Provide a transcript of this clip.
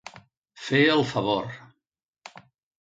Fer el favor.